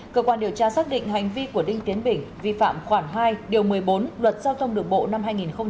cơ quan điều tra xác định hành vi của đinh tiến bình vi phạm khoảng hai một mươi bốn luật giao thông đường bộ năm hai nghìn tám